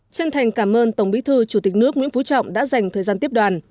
chân thành cảm ơn tổng bí thư chủ tịch nước nguyễn phú trọng đã dành thời gian tiếp đoàn